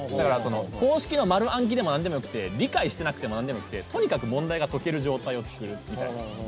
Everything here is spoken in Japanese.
公式の丸暗記でもなんでもよくて理解してなくてもなんでもよくてとにかく問題が解ける状態を作るみたいな。